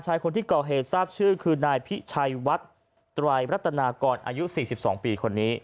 ชายคนที่ก่อเหตุทราบชื่อคือนายพิชัยวัดไตรรัตนากรอายุ๔๒ปีคนนี้